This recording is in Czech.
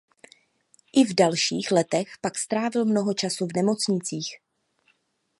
I v dalších letech pak strávil mnoho času v nemocnicích.